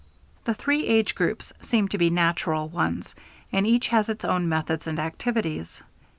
The three age groups seem to be natural ones, and each has its own methods and activities.